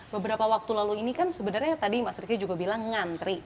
beberapa waktu lalu ini kan sebenarnya tadi mas ricky juga bilang ngantri